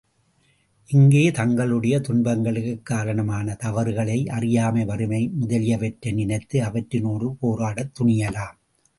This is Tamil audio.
இங்கே தங்களுடைய துன்பங்களுக்குக் காரணமான தவறுகளை அறியாமை, வறுமை முதலியவற்றை நினைந்து அவற்றினோடு போராடத் துணியலாம்.